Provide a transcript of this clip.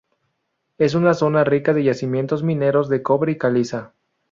Es una zona rica de yacimientos mineros de cobre y caliza.